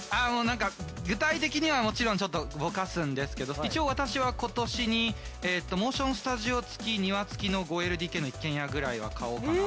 具体的にはもちろんちょっとぼかすんですけど一応私は今年にモーションスタジオ付き庭付きの５ＬＤＫの一軒家ぐらいは買おうかなと。